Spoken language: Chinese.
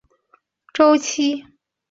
古希腊历法中也包含这两个周期。